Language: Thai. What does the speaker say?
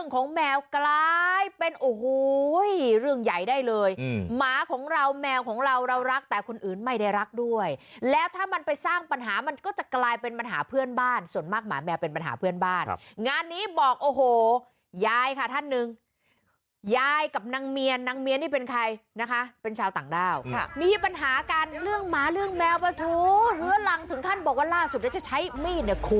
ตำรวจบอกว่าเจอแบบนี้เอามาเคลียร์กันสักหน่อยช่วงที่มันยังไม่ได้เกิดเหตุรุนแรมคุณผู้ชมค่ะ